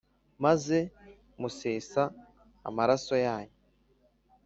Maze musesa amaraso yanyu